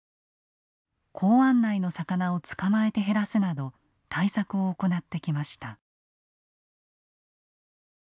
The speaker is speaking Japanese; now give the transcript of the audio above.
港湾内の魚を捕まえて減らすなど対策を行ってきました。